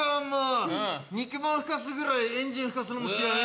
肉まんふかすぐらいエンジンふかすのも好きだね。